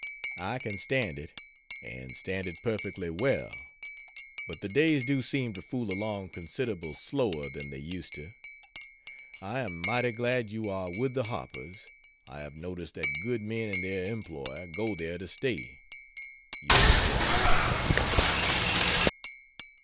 I can stand it, and stand it perfectly well; but the days do seem to fool along considerable slower than they used to. I am mighty glad you are with the Harpers. I have noticed that good men in their employ go there to stay. Yours ever, MARK.